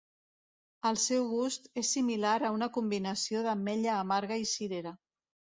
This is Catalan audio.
El seu gust és similar a una combinació d'ametlla amarga i cirera.